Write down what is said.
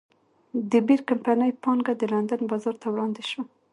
د بیر کمپنۍ پانګه د لندن بازار ته وړاندې شوه.